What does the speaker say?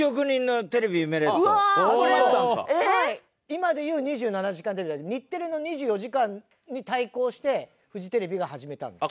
今でいう『２７時間テレビ』だけど日テレの『２４時間』に対抗してフジテレビが始めたんです。